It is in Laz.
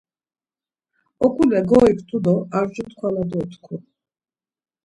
Oǩule goiktu do ar jur tkvala dotku.